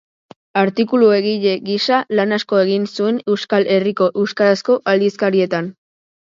Artikulu-egile gisa lan asko egin zuen Euskal Herriko euskarazko aldizkarietan.